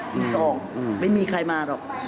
ตี๒ไม่มีใครมาหรอก